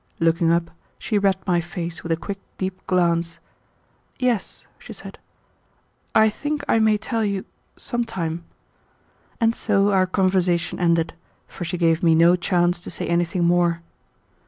Looking up, she read my face with a quick, deep glance. "Yes," she said, "I think I may tell you some time": and so our conversation ended, for she gave me no chance to say anything more.